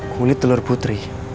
kulit telur putri